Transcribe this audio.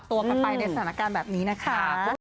ก็ต้องปรับตัวไปในสถานการณ์แบบนี้นะคะ